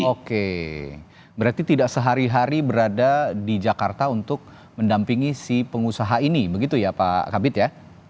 oke berarti tidak sehari hari berada di jakarta untuk mendampingi si pengusaha ini begitu ya pak kabit ya